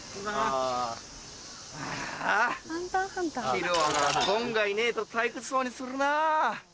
キルアはゴンがいねえと退屈そうにするなぁ。